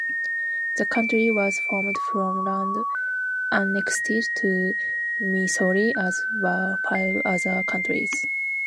The county was formed from land annexed to Missouri, as were five other counties.